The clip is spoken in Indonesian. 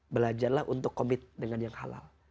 belajarlah untuk komit dengan yang halal